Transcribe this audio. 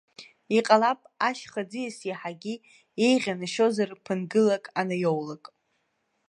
Иҟалап, ашьха ӡиас иаҳагьы еиӷьанашьозар ԥынгылак анаиоулак.